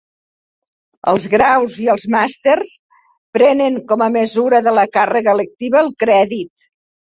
Els graus i els màsters prenen com a mesura de la càrrega lectiva el crèdit.